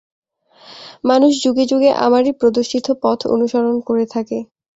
মানুষ যুগে যুগে আমারই প্রদর্শিত পথ অনুসরণ করে থাকে।